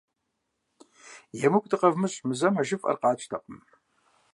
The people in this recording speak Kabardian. ЕмыкӀу дыкъэвмыщӀ, мы зэм а жыфӀэр къатщтэкъым.